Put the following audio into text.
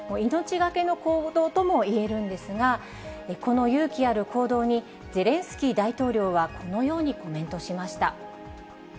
命懸けの行動ともいえるんですが、この勇気ある行動に、ゼレンスキー大統領はこのようにコメントしました。